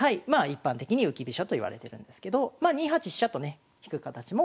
一般的に浮き飛車といわれてるんですけど２八飛車とね引く形もあって。